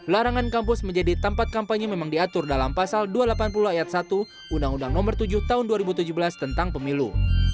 larangan kampus menjadi tempat kampanye memang diatur dalam pasal dua ratus delapan puluh ayat satu undang undang nomor tujuh tahun dua ribu tujuh belas tentang pemilu